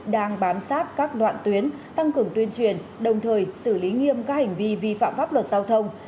đang bám sát các đoạn tuyến tăng cường tuyên truyền đồng thời xử lý nghiêm các hành vi vi phạm pháp luật giao thông